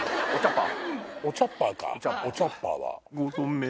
おちゃっぱー。